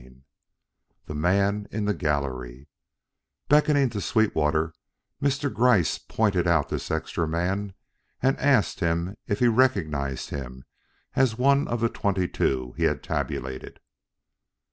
VI THE MAN IN THE GALLERY Beckoning to Sweetwater, Mr. Gryce pointed out this extra man and asked him if he recognized him as one of the twenty two he had tabulated.